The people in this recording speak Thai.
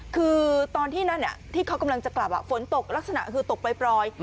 คือตอนที่นั่นที่เขากำลังจะกลับฝนตกลักษณะคือตกปล่อย